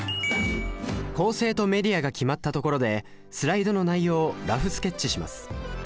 構成とメディアが決まったところでスライドの内容をラフスケッチします